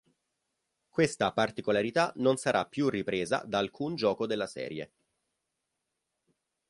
Questa particolarità non sarà più ripresa da alcun gioco della serie.